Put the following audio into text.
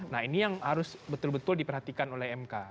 nah ini yang harus betul betul diperhatikan oleh mk